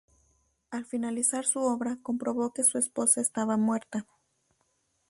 Al finalizar su obra, comprobó que su esposa estaba muerta.